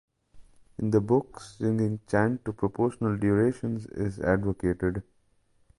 In the book, singing chant to proportional durations is advocated.